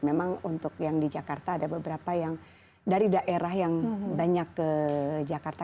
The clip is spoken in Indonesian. memang untuk yang di jakarta ada beberapa yang dari daerah yang banyak ke jakarta